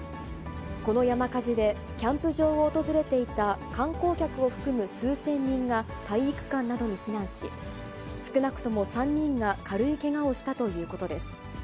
この山火事で、キャンプ場を訪れていた観光客を含む数千人が体育館などに避難し、少なくとも３人が軽いけがをしたということです。